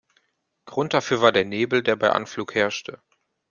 Grund dafür war der Nebel der bei Anflug herrschte.